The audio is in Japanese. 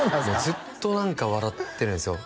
ずっと何か笑ってるんですよ